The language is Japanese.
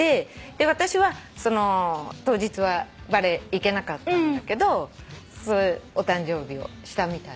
私は当日はバレエ行けなかったんだけどお誕生日をしたみたい。